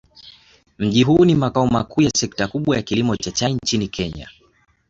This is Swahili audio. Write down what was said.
Mji huu ni makao makuu ya sekta kubwa ya kilimo cha chai nchini Kenya.